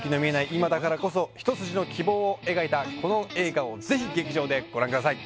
今だからこそ一筋の希望を描いたこの映画をぜひ劇場でご覧ください